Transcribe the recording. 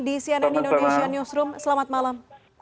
di cnn indonesia newsroom selamat malam